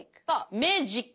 メージック。